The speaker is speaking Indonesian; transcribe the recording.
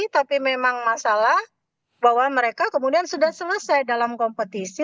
tapi memang masalah bahwa mereka kemudian sudah selesai dalam kompetisi